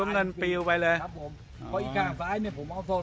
อ่าปริ้วมันกันปริ้วไปเลยครับผมเพราะอีกข้างซ้ายเนี้ยผมเอาโทร